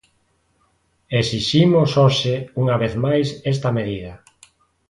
Exiximos hoxe, unha vez máis, esta medida.